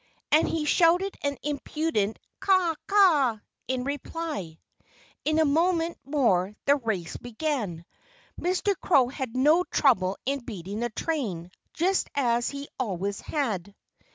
And he shouted an impudent caw caw in reply. In a moment more the race began. Mr. Crow had no trouble in beating the train, just as he always had.